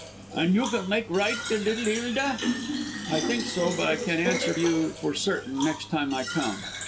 "And you can make right the liddle Hilda?" "I think so; but I can answer you for certain next time I come.